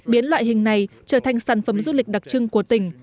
biến loại hình này trở thành sản phẩm du lịch đặc trưng của tỉnh